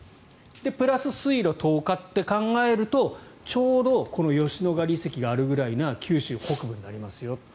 プラス水路１０日って考えるとちょうどこの吉野ヶ里遺跡があるぐらいの九州北部になりますよ。